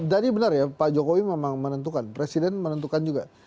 tadi benar ya pak jokowi memang menentukan presiden menentukan juga